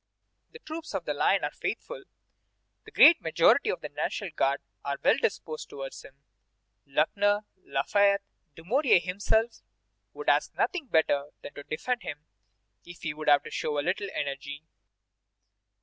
The troops of the line are faithful. The great majority of the National Guard are well disposed towards him. Luckner, Lafayette, Dumouriez himself, would ask nothing better than to defend him if he would show a little energy.